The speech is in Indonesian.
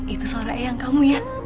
itu saudara eyang kamu ya